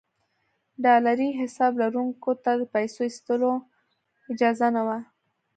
ډالري حساب لرونکو ته د پیسو ایستلو اجازه نه وه.